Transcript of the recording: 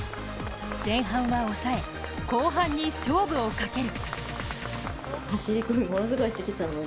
前半は抑え、後半に勝負をかける。